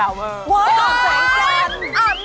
ว้าวอาบแสงจันทร์